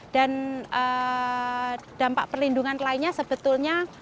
dan dampak perlindungan lainnya sebetulnya